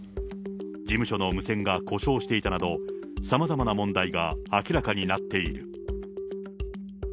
事務所の無線が故障していたなど、さまざまな問題が明らかになっている。